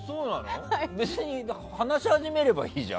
別に話し始めればいいじゃん